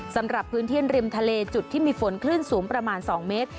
สำหรับพื้นที่ริมทะเลจุดที่มีฝนคลื่นสูงประมาณ๒เมตร